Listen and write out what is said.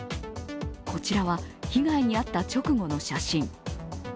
こちらは被害に遭った直後の写真。